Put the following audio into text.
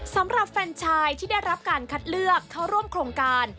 สำหรับแฟนชายที่ได้รับการคัดเลือกเข้าร่วมโครงการ